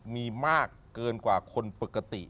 มีมากเกินกว่าคนปกติ